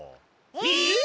えっ！？